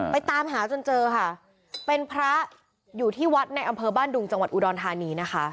ตามหาจนเจอค่ะเป็นพระอยู่ที่วัดในอำเภอบ้านดุงจังหวัดอุดรธานีนะคะ